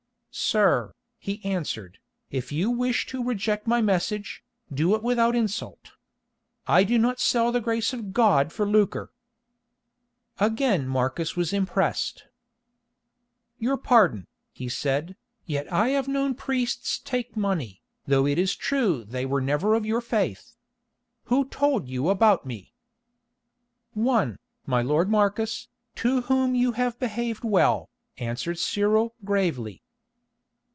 "Sir," he answered, "if you wish to reject my message, do it without insult. I do not sell the grace of God for lucre." Again Marcus was impressed. "Your pardon," he said, "yet I have known priests take money, though it is true they were never of your faith. Who told you about me?" "One, my lord Marcus, to whom you have behaved well," answered Cyril gravely.